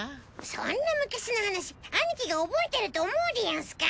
そんな昔の話兄貴が覚えてると思うでヤンスか？